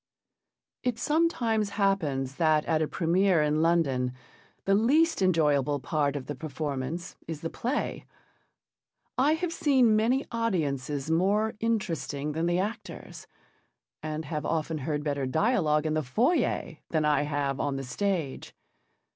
It sometimes happens that at a première in London the least enjoyable part of the performance is the play. I have seen many audiences more interesting than the actors, and have often heard better dialogue in the foyer than I have on the stage.